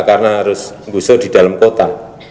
karena harus busur di dalam kota